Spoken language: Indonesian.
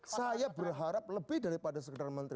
saya berharap lebih daripada sekedar menteri